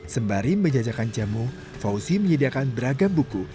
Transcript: sembari menjajakan jamu fauzi menyediakan beragam buku